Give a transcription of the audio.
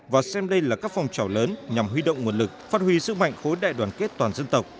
và xem đây là các phong trào lớn nhằm huy động nguồn lực phát huy sức mạnh khối đại đoàn kết toàn dân tộc